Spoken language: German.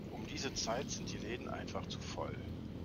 Um diese Zeit sind die Läden einfach zu voll.